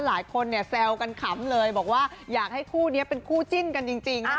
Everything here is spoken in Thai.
หลายคนเนี่ยแซวกันขำเลยบอกว่าอยากให้คู่นี้เป็นคู่จิ้นกันจริงนะคะ